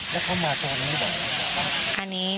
แล้วเขาหมอจน